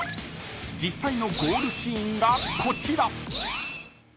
実際のゴールシーンがこちら。